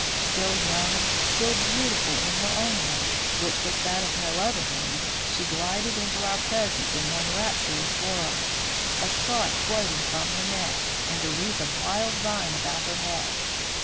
Still young, still beautiful in her own way, which was that of no other woman, she glided into our presence in one rapturous whirl, a scarf floating from her neck, and a wreath of wild vine about her head.